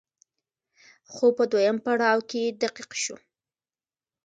خو په دويم پړاو کې دقيق شو